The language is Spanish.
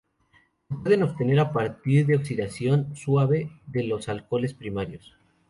Se pueden obtener a partir de la oxidación suave de los alcoholes primarios.